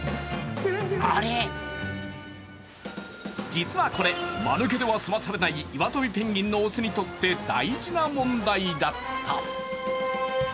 実はこれ、まぬけでは済まされないイワトビペンギンの雄にとって大事な問題だった。